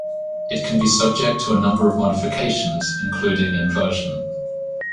It can be subject to a number of modifications including inversion.